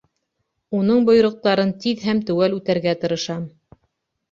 Уның бойороҡтарын тиҙ һәм теүәл үтәргә тырышам.